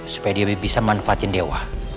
supaya dia bisa manfaatin dewa